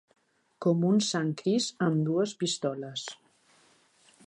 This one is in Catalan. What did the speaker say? Com un Sant Crist amb dues pistoles.